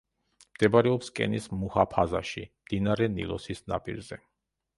მდებარეობს კენის მუჰაფაზაში, მდინარე ნილოსის ნაპირზე.